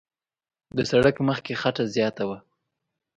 د سړک مخ کې خټه زیاته وه.